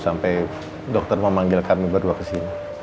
sampai dokter memanggil kami berdua kesini